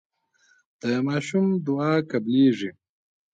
د ماشوم دعا قبليږي.